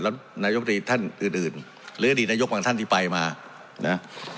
แล้วนายกตรีท่านอื่นหรืออดีตนายกบางท่านที่ไปมานะ